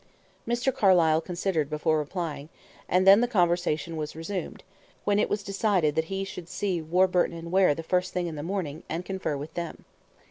Mr. Carlyle considered before replying; and then the conversation was resumed, when it was decided that he should see Warburton and Ware the first thing in the morning, and confer with them.